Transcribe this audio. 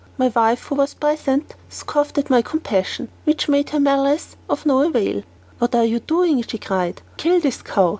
My wife, who was present, scoffed at my compassion, which made her malice of no avail. "What are you doing?" she cried. "Kill this cow.